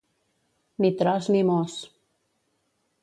Ni tros ni mos.